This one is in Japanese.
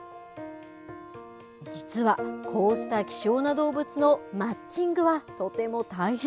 実はこうした希少な動物のマッチングはとても大変。